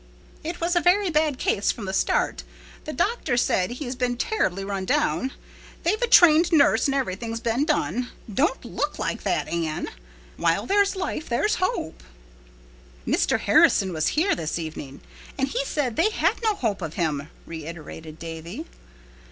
"It was a very bad case from the start. The doctor said he'd been terribly run down. They've a trained nurse and everything's been done. don't look like that, Anne. While there's life there's hope." "Mr. Harrison was here this evening and he said they had no hope of him," reiterated Davy.